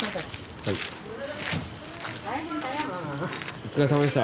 お疲れさまでした。